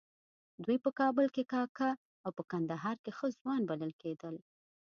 دوی په کابل کې کاکه او په کندهار کې ښه ځوان بلل کېدل.